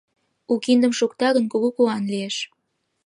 У киндым шукта гын, кугу куан лиеш.